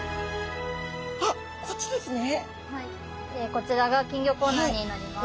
こちらが金魚コーナーになります。